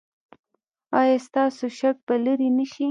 ایا ستاسو شک به لرې نه شي؟